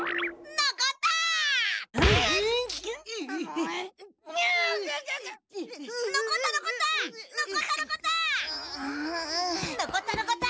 のこったのこった！